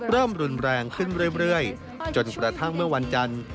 เริ่มรุนแรงขึ้นเรื่อยจนกระทั่งเมื่อวันจันทร์